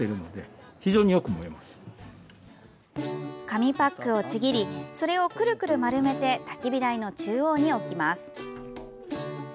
紙パックをちぎりそれをくるくる丸めてたき火台の中央に置きます。